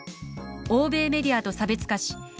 「欧米メディアと差別化し